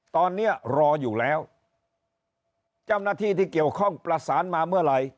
ตอนนี้รออยู่แล้วเจ้าหน้าที่ที่เกี่ยวข้องประสานมาเมื่อไหร่